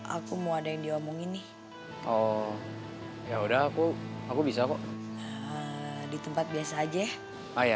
aku mau ada yang diomongin nih oh ya udah aku aku bisa kok di tempat biasa aja ayo